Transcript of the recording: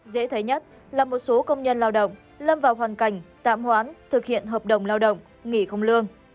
dễ thấy nhất là một số công nhân lao động lâm vào hoàn cảnh tạm hoán thực hiện hợp đồng lao động nghỉ không lương